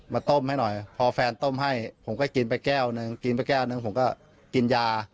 ต้มให้หน่อยพอแฟนต้มให้ผมก็กินไปแก้วหนึ่งกินไปแก้วหนึ่งผมก็กินยา